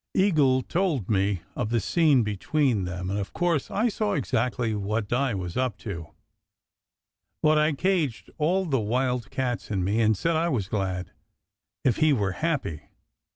Eagle told me something of the scene between them, and of course, I saw exactly what Di was up to : but I caged all the wild cats in me, and said I was glad, if he were happy.